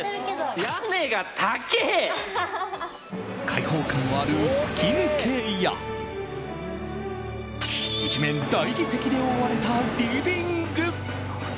開放感のある吹き抜けや一面大理石で覆われたリビング。